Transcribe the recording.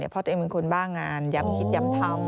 เพราะตัวเองเป็นคนบ้างานย้ำคิดย้ำทำ